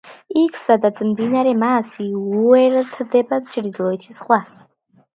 იქ სადაც მდინარე მაასი უერთდება ჩრდილოეთის ზღვას.